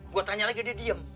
buat tanya lagi dia diem